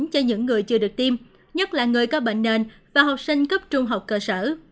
cho những người chưa được tiêm nhất là người có bệnh nền và học sinh cấp trung học cơ sở